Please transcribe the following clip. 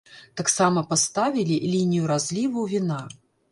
Таксама паставілі лінію разліву віна.